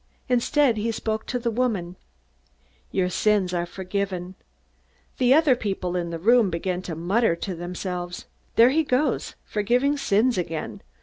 Instead, he spoke to the woman, "Your sins are forgiven." The other people in the room began to mutter to themselves: "There he goes forgiving sins again!